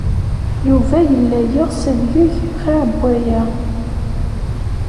Yuba yella yeɣs ad yeg xir n waya.